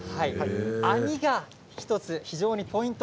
網が１つ、非常にポイント。